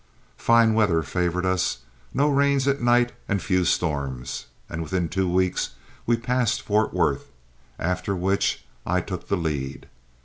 Fine weather favored us, no rains at night and few storms, and within two weeks we passed Fort Worth, after which I took the lead.